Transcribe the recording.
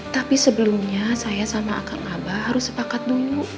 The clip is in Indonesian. tapi sebelumnya saya sama akang abah harus sepakat dulu